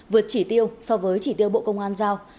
vượt chỉ tiêu so với chỉ tiêu bộ công an giao